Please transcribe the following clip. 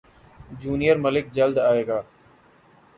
junior Malik جلد ائے گا